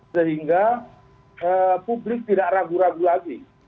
sehingga publik tidak ragu ragu lagi